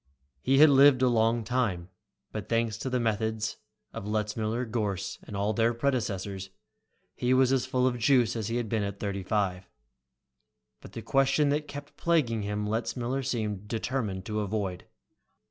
He had lived a long time, but thanks to the methods of Letzmiller, Gorss, and all their predecessors, he was as full of juice as he had been at thirty five. But the question that kept plaguing him Letzmiller seemed determined to avoid.